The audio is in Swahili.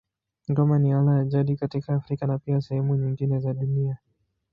Ngoma ni ala ya jadi katika Afrika na pia sehemu nyingine za dunia.